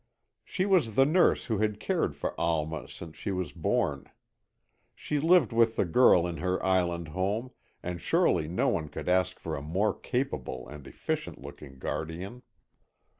She was the nurse who had cared for Alma since she was born. She lived with the girl in her island home, and surely no one could ask for a more capable and efficient looking guardian.